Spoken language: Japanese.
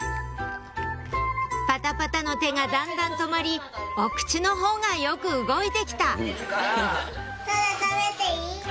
パタパタの手がだんだん止まりお口のほうがよく動いて来たたべていい？